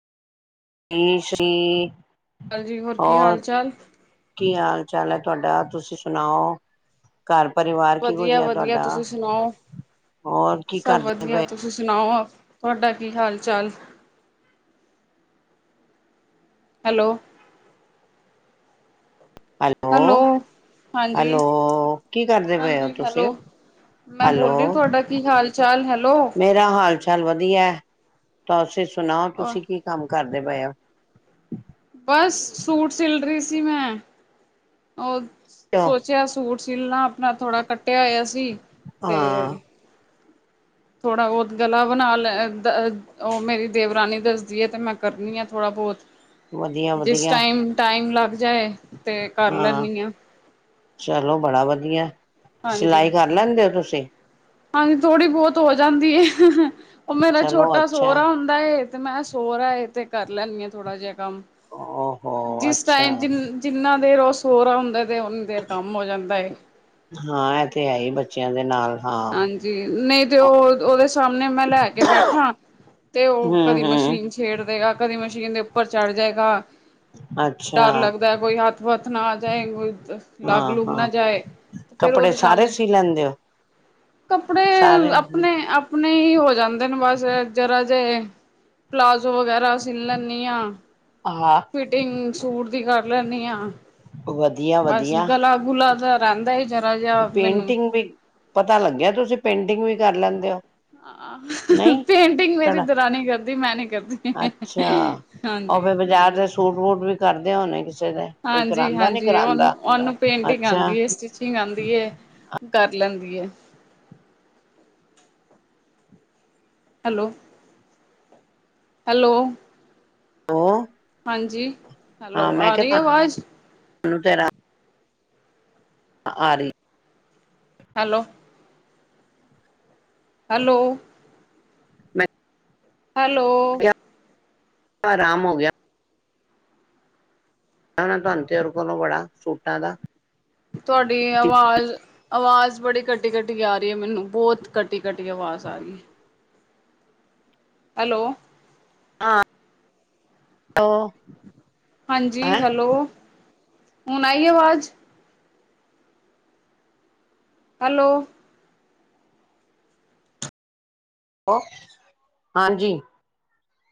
ਸ਼ੀ ਸ਼ੀ ਹਾਂਜੀ ਹੋਰ ਕੀ ਰ ਹਾਲ ਚਾਲ ਕੀ ਹਾਲ ਚਾਲ ਹੈ ਤੁਹਾਡਾ ਤੁਸੀਂ ਸੁਣਾਓ ਘਰ ਪਰਿਵਾਰ ਵਧੀਆ ਕਿਹੋਿਹਾ ਵਧੀਆ ਤੁਹਾਡਾ ਤੁਸੀਂ ਸੁਣਾਓ ਹੋਰ ਕੀ ਸਭ ਕਰਦੇ ਵਧੀਆ ਪਏ ਤੁਸੀਂ ਸੁਣਾਓ ਤੁਹਾਡਾ ਕੀ ਹਾਲ ਚਾਲ ਹੈਲੋ ਹੈਲੋ ਹਾਂਜੀ ਹੈਲੋ ਕੀ ਕਰਦੇ ਪਏ ਹੋ ਹਾਂਜੀ ਹੈਲੋ ਤੁਸੀਂ ਮੈਂ ਹੈਲੋ ਬੋਲ ਰਹੀ ਤੁਹਾਡਾ ਕੀ ਹਾਲ ਚਾਲ ਹੈਲੋ ਮੇਰਾ ਹਾਲ ਚਾਲ ਵਧੀਆ ਤਾਂ ਅਸੀ ਸੁਣਾਓ ਤੁਸੀਂ ਕੀ ਕੰਮ ਕਰਦੇ ਅਰੇ ਭਏ ਬਸ ਸੂਟ ਸਿਲ ਰਹੀ ਸੀ ਮੈਂ ਉਹ ਹੋ ਸੋਚਿਆ ਸੂਟ ਸੀਲਣਾ ਆਪਣਾ ਥੋੜਾ ਕੱਟਿਆ ਹੋਇਆ ਸੀ ਤੇ ਹਾਂ ਥੋੜਾ ਬਹੁਤ ਗਲਾ ਬਣਾ ਲੈ ਉਹ ਮੇਰੀ ਦੇਵਰਾਨੀ ਦੱਸਦੀ ਹੈ ਤੇ ਮੈਂ ਕਰਨੀ ਆ ਥੋੜਾ ਬਹੁਤ ਵਧੀਆ ਜਿਸ ਵਧੀਆ ਟਾਈਮ ਟਾਈਮ ਲੱਗ ਜਾਏ ਤੇ ਕਰ ਹਾਂ, ਲੈਂਨੀ ਆ ਚਲੋ ਬੜਾ ਵੱਧ - ਦੀਆਂ ਹਾਂਜੀ ਸਿਲਾਈ ਕਰ ਲੈਂਦੇ ਹੋ ਤੁਸੀਂ? ਹਾਂਜੀ ਥੋੜ੍ਹੀ ਬਹੁਤ ਹੋ ਜਾਂਦੀ ਏ, ਹ -ਹ -ਹ। ਉਹ ਮੇਰਾ ਚਲੋ ਛੋਟਾ ਅੱਛਾ ਸੋ ਰਹਾ ਹੁੰਦਾ ਏ। ਤੇ ਮੈਂ ਸੋ ਰਹਾ ਇਹ ਤੇ ਕਰ ਲੈਂਦੀ ਹਾਂ ਥੋੜ੍ਹਾ ਜਿਹਾ ਕੰਮ, ਓਹੋ ਜਿਸ ਅੱਛਾ ਟਾਈਮ ਜਿ ਜਿੰਨਾ ਫਿਰ ਓ ਸੋ ਰਹਾ ਹੁੰਦਾ ਹੈ। ਹਨ। ਓਨੀ ਦੇਰ ਕੰਮ ਹੋ ਜਾਂਦਾ ਏ। ਹਾਂ ਇਹ ਤੇ ਹੈ ਹੀ ਬੱਚਿਆਂ ਦੇ ਨਾਲ ਹਾਂ ਹਾਂਜੀ, ਨਹੀਂ ਤੇ ਉਹ ਉਹਦੇ ਸਾਹਮਣੇ ਮੈਂ ਲੈ ਕੇ ਬੈਠਾ ਤੇ ਉਹ ਕਦੀ ਹਮ ਹਮ ਮਸ਼ੀਨ ਛੇੜ ਦੇਗਾ ਕਦੀ ਮਸ਼ ਕਹਿੰਦੇ ਉੱਪਰ ਚੜ੍ਹ ਜਾਏਗਾ। ਅੱਛਾ ਡਰ ਲੱਗਦਾ ਏ, ਕੋਈ ਹੱਥ -ਵੱਥ ਕਿਤ ਨਾ ਆ ਜਾਏਗਾ ਹਾਂ, ਹਾਂ ਫੇਰ ਕੱਪੜੇ ਉਹਦੇ ਸਾਰੇ ਸਾਹਮਣੇ ਸੀ ਲੈਂਦੇ ਹੋ? ਕੱਪੜੇ ਸਾਰੇ ਆਪਣੇ ਆਪ ਆਪਣੇ ਹੀ ਹੋ ਜਾਂਦੇ ਨੇ ਬਸ ਜਰਾ ਜੇ ਨਾ ਪਲਾਜੋ ਜੋ ਵਗੈਰਾ ਸੀਲ ਲੈਣੀ ਆ ਹਾਂ ਫਿਟਿੰਗ ਸੂਟ ਦੀ ਕਰ ਲੈਣੀ ਆ ਵਧੀਆ ਬਸ ਵਧੀਆ ਗਲਾ ਗੁਲਾ ਜਾ ਆਦਾ ਏ ਪੇਂਟਿੰਗ ਵੀ ਪਤਾ ਲੱਗਿਆ ਤੁਸੀਂ ਪੇਂਟਿੰਗ ਵੀ ਕਰ ਲੈਂਦੇ ਹੋ ਨਹੀਂ ਪੇਂਟਿੰਗ ਮੇਰੀ ਕੜਾ ਦਰਾਨੀ ਕਰਦੀ ਮੈਂ ਨੀ ਕਰਦੀ ਅੱਛਾ ਉਹ ਹਾਂਜੀ ਫਿਰ ਬਾਜ਼ਾਰ ਦੇ ਸੂਟ ਵੂਟ ਵੀ ਕਰਦੇ ਹੋਣੇ ਕਿਸੇ ਦੇ ਕੋਈ ਹਾਂਜੀ ਕਰਾਉਂਦਾ ਨੀ ਹਾਂਜੀ ਉਹ ਕਰਾਉਂਦਾ ਉਹਨੂੰ ਪੇਂਟਿੰਗ ਅੱਛਾ ਆਉਂਦੀ ਏ ਸਟਿਚਿੰਗ ਆਂ ਦੀ ਹੈ। ਕਰ ਲੈਂਦੀ ਐ। ਹੈਲੋ। ਹੈਲੋ। ਉਹ ਹਾਂਜੀ ਹੈਲੋ ਹਾਂ ਮੈਂ ਆ ਰਹੀ ਕਿਹਾ ਅਵਾਜ਼? ਤੇਰਾ ਆ ਰਹੀ। ਹੈਲੋ। ਹੈਲੋ। ਮੈਂ ਹੈਲੋ। ਆਰਾਮ ਹੋ ਗਿਆ। ਤੁਹਾਨੂੰ ਤੇਰੇ ਕੋਲੋਂ ਬੜਾ ਸੂਟਾਂ ਦਾ ਤੁਹਾਡੀ ਆਵਾਜ਼ ਆਵਾਜ਼ ਬੜੀ ਕਟੀ-ਕਟੀ ਆ ਰਹੀ ਏ ਮੈਨੂੰ ਬਹੁਤ ਕਟੀ-ਕਟੀ ਆਵਾਜ਼ ਆ ਰਹੀ ਐ। ਹੈਲੋ। ਹਾਂ। ਹਾਂਜੀ ਹੈਲੋ। ਹੁਣ ਆਈ ਆਵਾਜ਼? ਹੈਲੋ। ਹਾਂਜੀ।